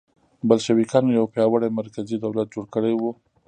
بلشویکانو یو پیاوړی مرکزي دولت جوړ کړی و